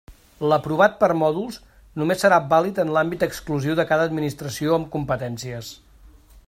L'aprovat per mòduls només serà vàlid en l'àmbit exclusiu de cada Administració amb competències.